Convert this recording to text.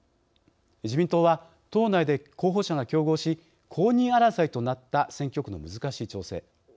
自民党は党内で候補者が競合し公認争いとなった選挙区の難しい調整。